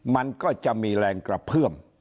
มันก็จะมีแรงกระเพื่อม